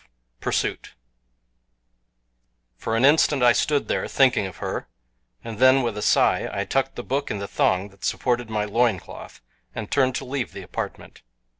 XII PURSUIT FOR AN INSTANT I STOOD THERE THINKING OF HER, and then, with a sigh, I tucked the book in the thong that supported my loin cloth, and turned to leave the apartment.